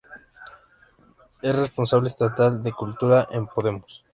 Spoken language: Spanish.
Es responsable estatal de Cultura en Podemos.